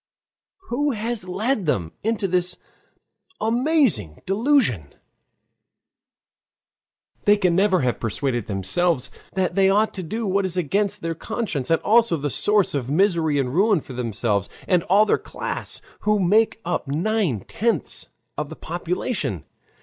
Who has led them into this amazing delusion? They can never have persuaded themselves that they ought to do what is against their conscience, and also the source of misery and ruin for themselves, and all their class, who make up nine tenths of the population.